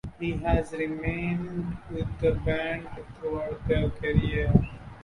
He has remained with the band throughout their career.